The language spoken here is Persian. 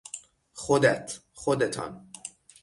خودت، خودتان